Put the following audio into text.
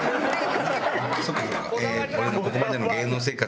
ここまでの芸能生活。